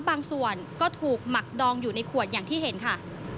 บางส่วนก็ถูกหมักดองอยู่ในขวดอย่างที่เห็นค่ะ